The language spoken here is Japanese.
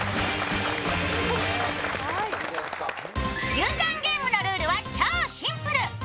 牛タンゲームのルールは超シンプル。